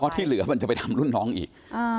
ที่เหลือมันจะไปทำรุ่นน้องอีก